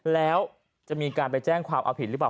แล้วจะมีการไปแจ้งความเอาผิดหรือเปล่า